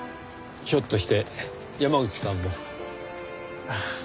ひょっとして山口さんも？ああ。